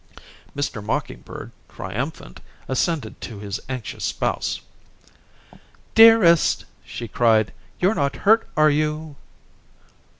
Mr. Mocking Bird, triumphant, ascended to his anxious spouse. "Dearest," she cried, "you're not hurt, are you?"